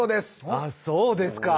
あっそうですか。